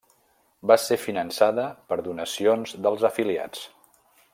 Va ser finançada per donacions dels afiliats.